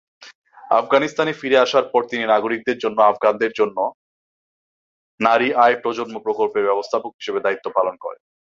আফগানিস্তানে ফিরে আসার পর, তিনি নাগরিকদের জন্য আফগানদের জন্য নারী আয় প্রজন্ম প্রকল্পের ব্যবস্থাপক হিসেবে দায়িত্ব পালন করেন।